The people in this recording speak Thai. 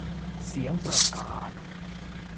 เสียงประกาศ